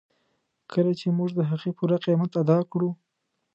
کله چې موږ د هغې پوره قیمت ادا کړو.